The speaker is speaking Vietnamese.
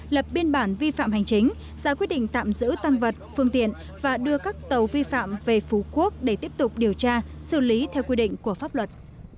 lập biên bản vi phạm hành chính ra quyết định tạm giữ tăng vật phương tiện và đưa các tàu vi phạm về phú quốc để tiếp tục điều tra xử lý theo quy định của pháp luật